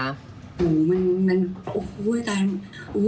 โอ้โฮมันโอ้โฮตายแล้ว